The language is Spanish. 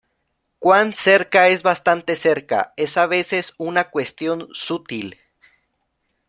Cuán cerca es "bastante cerca" es a veces una cuestión sutil.